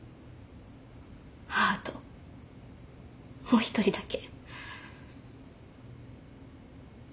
母ともう一人だけ。